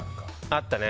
あったね。